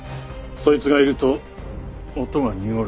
そいつがいると音が濁るんだ。